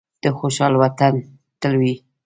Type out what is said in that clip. د خوشحال وطن تل وي.